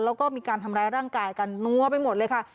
แล้วก็มีการทำร้ายร่างกายกันนัวไปหมดเลยค่ะ